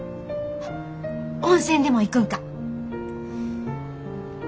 あっ温泉でも行くんか？